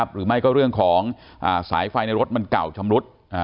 หรือไม่ก็เรื่องของสายไฟในรถมันเก่าชำรุด